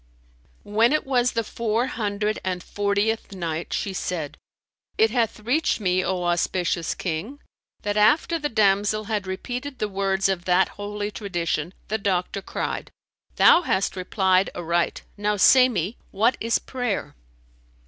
When it was the Four Hundred and Fortieth Night, She said, It hath reached me, O auspicious King, that after the damsel had repeated the words of that Holy Tradition the doctor cried, "Thou hast replied aright: now say me, what is prayer?"